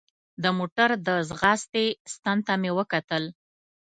د موټر د ځغاستې ستن ته مې وکتل.